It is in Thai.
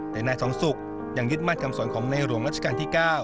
แต่นายสองศุกร์ยังยึดมั่นคำสอนของในหลวงรัชกาลที่๙